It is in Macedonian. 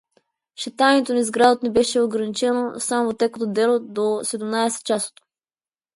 Шетањето низ градот ни беше ограничено само во текот на денот до седумнаесет часот.